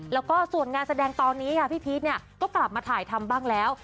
แล้วก็ส่วนงานแสดงตอนนี้ค่ะพี่พีชเนี่ยก็กลับมาถ่ายทำบ้างแล้ว